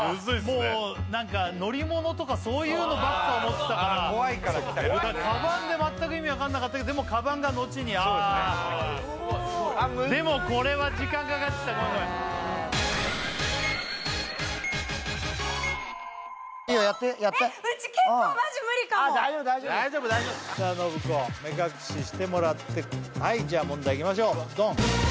もう何か乗り物とかそういうのばっか思ってたからああ「こわい」からきたからか「かばん」で全く意味分かんなかったけどでも「かばん」がのちにああそうですねでもこれは時間かかっちゃったごめんごめんいいよやってやってえっうち結構マジ無理かも大丈夫大丈夫大丈夫大丈夫さあ信子目隠ししてもらってはい問題いきましょうドン！